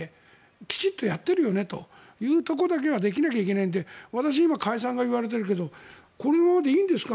きちんとやっているよねというところだけはできなきゃいけないので私、今、解散がいわれてるけどこのままでいいんですか？